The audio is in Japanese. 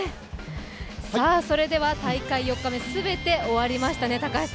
それでは大会４日目全て終わりましたね。